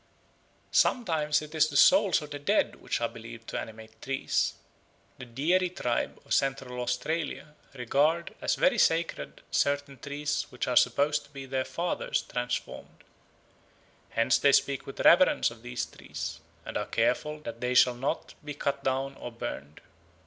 Sometimes it is the souls of the dead which are believed to animate trees. The Dieri tribe of Central Australia regard as very sacred certain trees which are supposed to be their fathers transformed; hence they speak with reverence of these trees, and are careful that they shall not be cut down or burned.